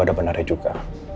ada benarnya juga